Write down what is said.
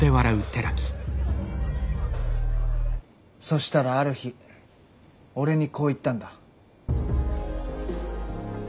そしたらある日俺にこう言ったんだ。